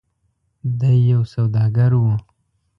د ی یو سوداګر و.